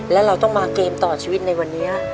และเราต้องมาเกมต่อชีวิตในวันนี้